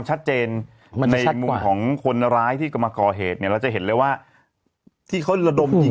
ชัดเจนในมุมของคนร้ายที่กำลังก่อเหตุแล้วจะเห็นเลยว่าที่เขาละโดมหญิง